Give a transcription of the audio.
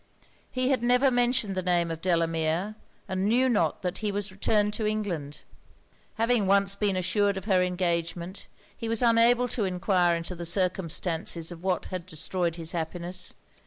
He had never mentioned the name of Delamere; and knew not that he was returned to England. Having once been assured of her engagement, he was unable to enquire into the circumstances of what had destroyed his happiness.